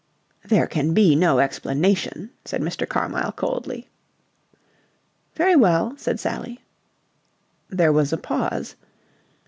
"There can be no explanation," said Mr. Carmyle coldly. "Very well," said Sally. There was a pause.